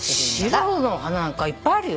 白の花なんかいっぱいあるよ。